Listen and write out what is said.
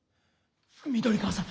緑川さん